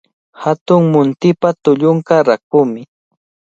Hatun muntipa tullunqa rakumi.